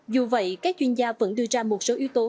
dù vậy các chuyên gia vẫn đưa ra một số yếu tố